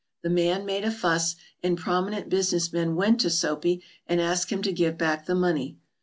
The man made a fuss, and prominent busi ness men went to Soapy and asked him to give back the money.